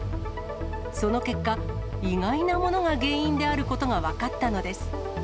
その結果、意外なものが原因であることがわかったのです。